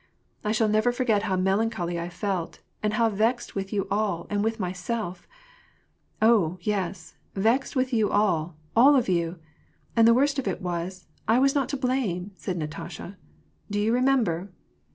I shall never forget how melancholy I felt, and how vexed with you all and with myself ! Oh, yes, vexed with you all ! all of you ! And the worst of it was, I was not to blame," said Natasha ;^^ do you remember